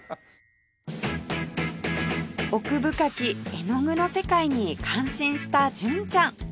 奥深き絵の具の世界に感心した純ちゃん